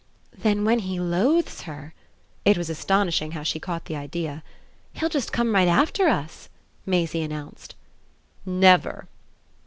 "Then when he loathes her" it was astonishing how she caught the idea "he'll just come right after us!" Maisie announced. "Never."